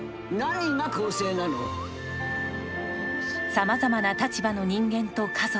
さまざまな立場の人間と家族。